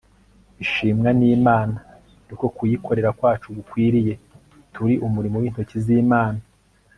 bishimwa n'imana, ariko kuyikorera kwacu gukwiriye (turi umurimo w'intoki z'imana